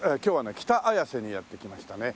北綾瀬にやって来ましたね。